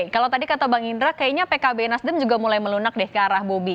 kalau tadi kata bang indra kayaknya pkb nasdem juga mulai melunak deh ke arah bobi